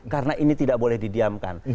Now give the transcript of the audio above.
karena ini tidak boleh didiamkan